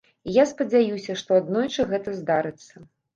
І я спадзяюся, што аднойчы гэта здарыцца.